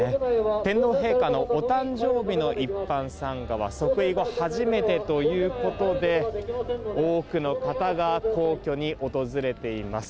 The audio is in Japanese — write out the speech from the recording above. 天皇陛下のお誕生日の一般参賀は即位後初めてということで多くの方が皇居に訪れています。